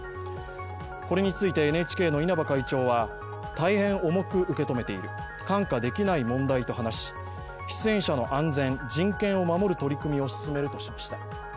これについてＮＨＫの稲葉会長は大変重く受け止めている、看過できない問題と話し、出演者の安全人権を守る取り組みを進めるとしました。